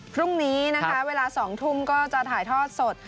พรุ่งนี้นะคะเวลา๒ทุ่มก็จะถ่ายทอดสด